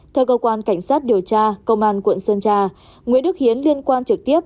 theo cơ quan cảnh sát điều tra công an quận sơn trà nguyễn đức hiến liên quan trực tiếp